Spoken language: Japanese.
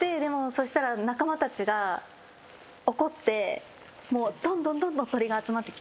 そしたら仲間たちが怒ってどんどんどんどん鳥が集まってきちゃって。